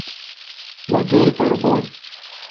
مہ گیل پر بھون۔